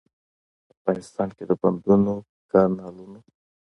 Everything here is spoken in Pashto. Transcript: افغانستان کې د بندونو، کانالونو.